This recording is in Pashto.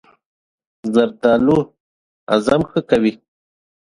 زردالو هضم ښه کوي.